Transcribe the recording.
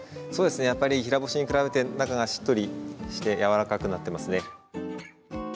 そうですね、やっぱり平干しに比べて中がしっとりしてやわらかくなっていますね。